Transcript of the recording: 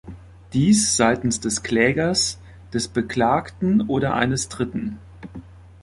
Dies seitens des Klägers, des Beklagten oder eines Dritten.